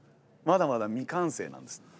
まだまだ未完成なんです。